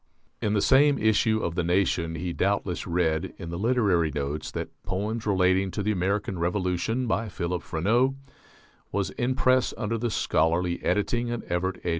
In the same issue of the Nation he doubtless read, in the "Literary Notes," that "Poems Relating to the American Revolution," by Philip Freneau, was "in press under the scholarly editing of Evart A.